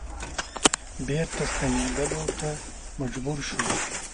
بیرته ستنیدلو ته مجبور شو.